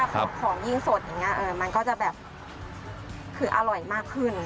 ของยิ่งสดอย่างนี้มันก็จะแบบคืออร่อยมากขึ้น